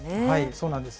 そうなんです。